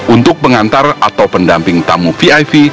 untuk pengantar atau pendamping tamu vip